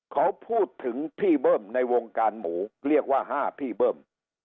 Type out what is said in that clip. เขาพูดถึงพี่เบิ้มในวงการหมูเรียกว่า๕พี่เบิ้ม